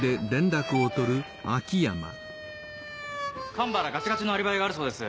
神原ガチガチのアリバイがあるそうです。